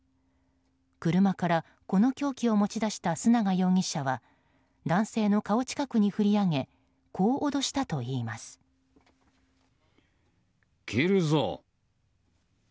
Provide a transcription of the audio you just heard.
車からこの凶器を持ち出した須永容疑者は男性の顔近くに振り上げ切るぞ。